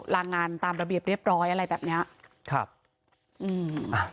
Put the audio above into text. ลางงานตามระเบียบเรียบร้อยอะไรแบบเนี้ยครับอืมอ่ะ